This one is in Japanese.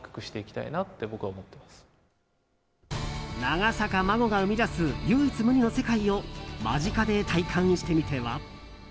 長坂真護が生み出す唯一無二の世界を間近で体感してみては。